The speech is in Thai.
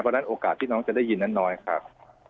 เพราะฉะนั้นโอกาสที่น้องจะได้ยินนั้นน้อยครับ